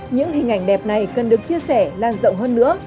những hình ảnh đẹp này cần được chia sẻ lan rộng hơn nữa